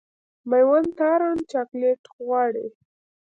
مېوند تارڼ چاکلېټ غواړي.